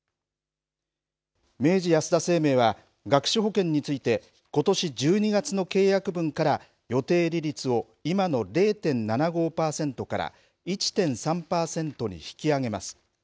明治安田生命は学資保険についてことし１２月の契約分から予定利率を今の０．７５パーセントから１．３パーセントに引き上げます。